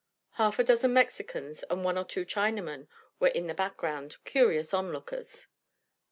Half a dozen Mexicans and one or two Chinamen were in the background, curious onlookers.